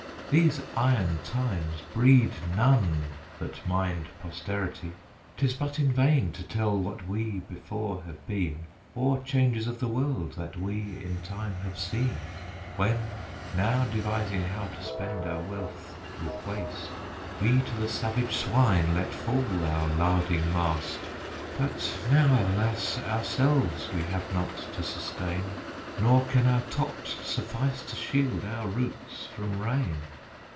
These iron times breed none that mind posterity. 'Tis but in vain to tell what we before have been, Or changes of the world that we in time have seen; When, now devising how to spend our wealth with waste, We to the savage swine let fall our larding mast, But now, alas! ourselves we have not to sustain, Nor can our tops suffice to shield our roots from rain.